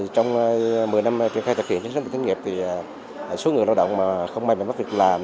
trong một mươi năm triển khai thực hiện chính sách bảo hiểm thất nghiệp thì số người lao động mà không may bị mất việc làm